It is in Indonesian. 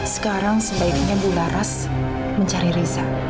sekarang sebaiknya bu laras mencari riset